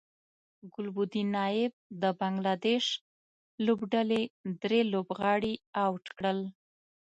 ګلبدین نایب د بنګلادیش لوبډلې درې لوبغاړي اوټ کړل